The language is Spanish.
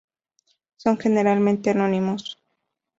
Son generalmente anónimos.